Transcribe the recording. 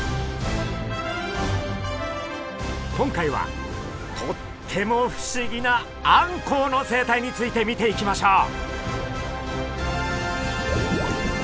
今回はとっても不思議なあんこうの生態について見ていきましょう！